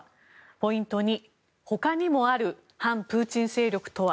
ポイント２他にもある反プーチン勢力とは？